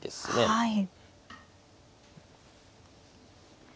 はい。